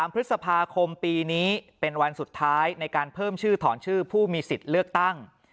พฤษภาคมปีนี้เป็นวันสุดท้ายในการเพิ่มชื่อถอนชื่อผู้มีสิทธิ์เลือกตั้ง